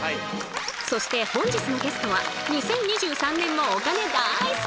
そして本日のゲストは２０２３年もお金大好き！